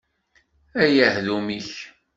A yahdum-ik!